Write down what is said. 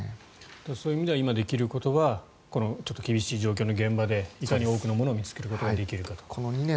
そういう意味では今できることはちょっと厳しい現場でいかに多くのものを見つけるかということですね。